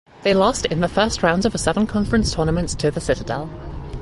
They lost in the first round of the Southern Conference tournament to The Citadel.